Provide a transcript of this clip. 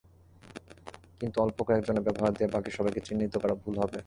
কিন্তু অল্প কয়েকজনের ব্যবহার দিয়ে বাকি সবাইকে চিহ্নিত করা ভুল হবে।